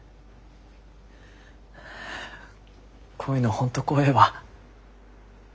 こういうの本当怖えわ。